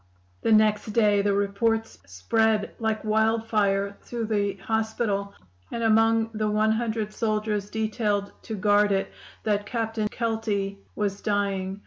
"The next day the report spread like wildfire through the hospital, and among the one hundred soldiers detailed to guard it, that Captain Kelty was dying.